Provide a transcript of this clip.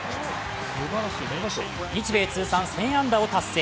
日米通算１０００安打を達成。